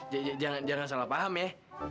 jangan salah paham ya